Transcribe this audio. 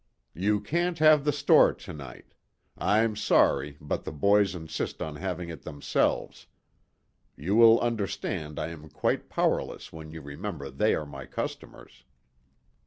"You can't have the store to night. I'm sorry, but the boys insist on having it themselves. You will understand I am quite powerless when you remember they are my customers."